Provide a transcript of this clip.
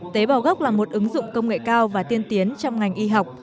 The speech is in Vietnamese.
tế bào gốc là một ứng dụng công nghệ cao và tiên tiến trong ngành y học